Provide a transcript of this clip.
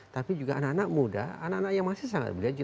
tapi juga anak anak muda anak anak yang masih sangat belajar